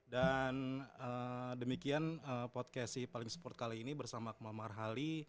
dan demikian podcast si paling sport kali ini bersama akmal marhali